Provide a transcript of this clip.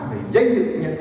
vì dây dự